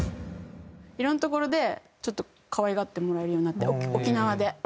いろんな所でちょっと可愛がってもらえるようになって沖縄で。